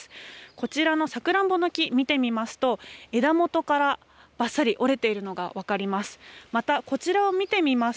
こちらのさくらんぼの木、見てみますと枝元からばっさり折れているのが分かります。